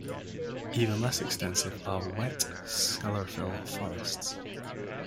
Even less extensive are "wet sclerophyll" forests.